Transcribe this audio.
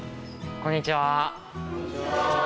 こんにちは。